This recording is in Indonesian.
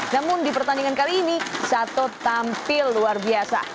namun di pertandingan kali ini sato tampil luar biasa